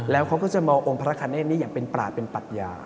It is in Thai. แล้วเขาก็จะมององค์พระคเนธนี้อย่างเป็นปราศเป็นปรัชญา